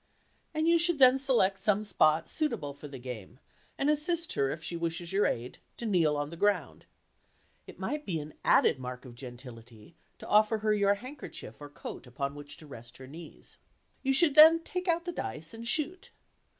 and you should then select some spot suitable for the game and assist her, if she wishes your aid, to kneel on the ground. It might be an added mark of gentility to offer her your handkerchief or coat upon which to rest her knees. You should then take out the dice and "shoot."